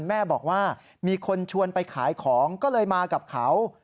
แม่บอกว่ามีคนชวนไปขายของก็เลยมากับเขา